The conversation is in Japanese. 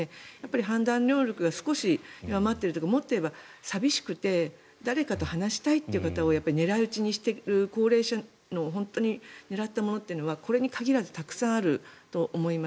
判断能力が少し弱まっているというかもっと言えば寂しくて誰かと話したいという方を狙い撃ちにしている高齢者を本当に狙ったものというのはこれに限らずたくさんあると思います。